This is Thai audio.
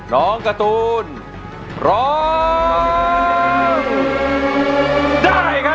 น้องการ์ตูนร้องได้ครับ